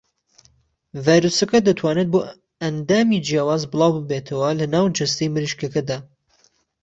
ڤایرۆسەکە دەتوانێت بۆ ئەندامی جیاواز بڵاوببێتەوە لە ناو جەستەی مریشکەکەدا.